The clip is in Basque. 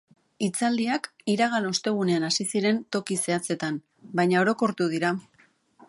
Itzalaldiak iragan ostegunean hasi ziren toki zehatzetan, baina orokortu dira.